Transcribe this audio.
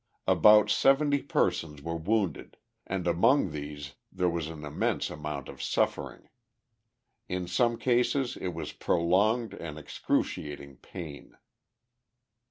About seventy persons were wounded, and among these there was an immense amount of suffering. In some cases it was prolonged and excruciating pain.